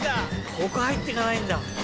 ここ入って行かないんだ。